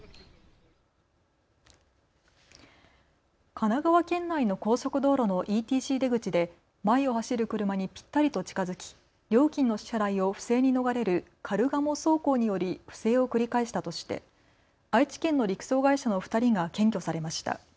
神奈川県内の高速道路のＥＴＣ出口で前を走る車にぴったりと近づき料金の支払いを不正に逃れるカルガモ走行により不正を繰り返したとして愛知県の陸送会社の２人が検挙されました。